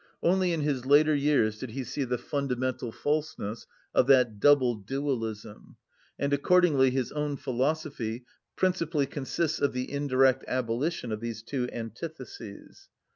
Only in his later years did he see the fundamental falseness of that double dualism; and accordingly his own philosophy principally consists of the indirect abolition of these two antitheses.